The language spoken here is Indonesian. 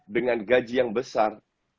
dengan gaji yang besar